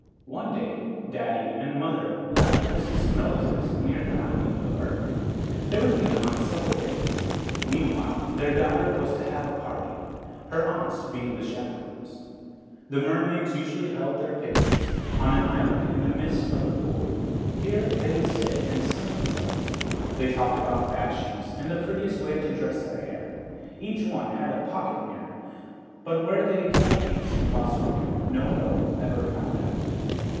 One day daddy and the mother left to visit some relatives near the island of Urk. They were to be gone several days. Meanwhile, their daughter was to have a party, her aunts being the chaperones. The mermaids usually held their picnics on an island in the midst of the pool. Here they would sit and sun themselves. They talked about the fashions and the prettiest way to dress their hair. Each one had a pocket mirror, but where they kept these, while swimming, no mortal ever found out.